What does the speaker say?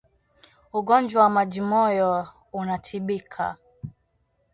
Ugonjwa wa majimoyo unatibika